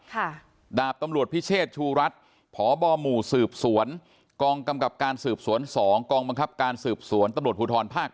ค่ะดาบตำรวจพิเชษชูรัฐพบหมู่สืบสวนกองกำกับการสืบสวนสองกองบังคับการสืบสวนตำรวจภูทรภาค